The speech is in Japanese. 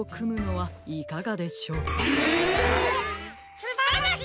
すばらしい！